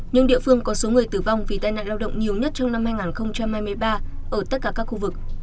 những địa phương có số người tử vong vì tai nạn lao động nhiều nhất trong năm hai nghìn hai mươi ba ở tất cả các khu vực